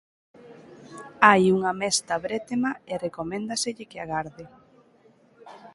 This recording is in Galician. Hai unha mesta brétema e recoméndaselle que agarde.